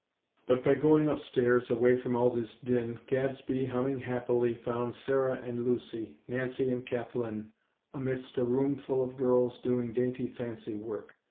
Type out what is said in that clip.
But, by going upstairs, away from all this din, Gadsby, humming happily, found Sarah and Lucy, Nancy and Kathlyn amidst a roomful of girls doing dainty fancy work.